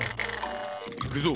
いくぞ。